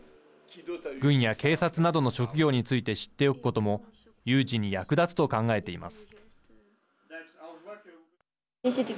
軍や警察などの職業について知っておくことも有事に役立つと考えています。